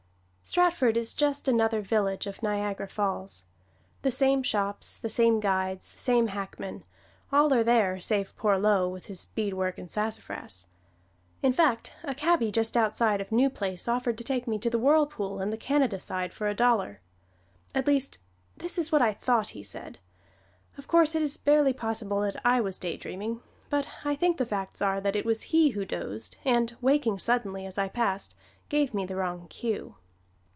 Stratford is just another village of Niagara Falls. The same shops, the same guides, the same hackmen all are there, save poor Lo, with his beadwork and sassafras. In fact, a "cabby" just outside of New Place offered to take me to the Whirlpool and the Canada side for a dollar. At least, this is what I thought he said. Of course, it is barely possible that I was daydreaming, but I think the facts are that it was he who dozed, and waking suddenly as I passed gave me the wrong cue.